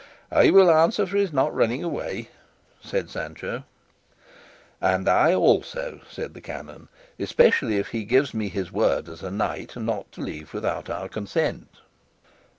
"I will answer for his not running away," said Sancho. "And I also," said the canon, "especially if he gives me his word as a knight not to leave us without our consent."